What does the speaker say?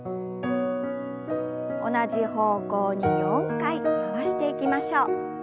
同じ方向に４回回していきましょう。